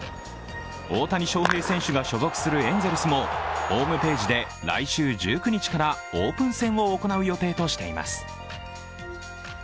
大谷翔平選手が所属するエンゼルスもホームページで来週１９日からオープン戦を行う予定としています。